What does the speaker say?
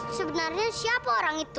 sebenarnya siapa orang itu